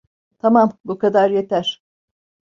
Tamam, bu kadar yeter.